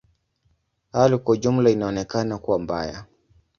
Hali kwa ujumla inaonekana kuwa mbaya.